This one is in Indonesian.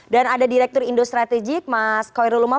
dan ada direktur industri strategik mas koirul umam